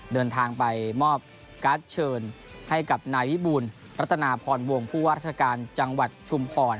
เดินทางไปมอบการ์ดเชิญให้กับนายวิบูลรัตนาพรวงผู้ว่าราชการจังหวัดชุมพร